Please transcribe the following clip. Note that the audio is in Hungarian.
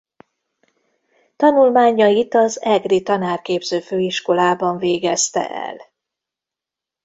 Tanulmányait az Egri Tanárképző Főiskolában végezte el.